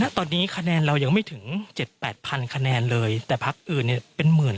ตอนนี้คะแนนเรายังไม่ถึง๗๘๐๐คะแนนเลยแต่พักอื่นเนี่ยเป็นหมื่น